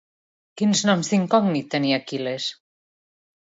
Quins noms d'incògnit tenia Aquil·les?